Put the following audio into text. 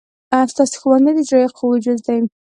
ستاسې ښوونځی د اجرائیه قوې جز دی.